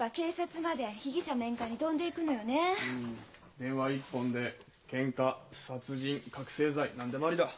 電話一本でケンカ殺人覚醒剤何でもありだ。